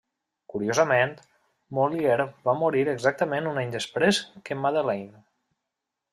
Curiosament, Molière va morir exactament un any després que Madeleine.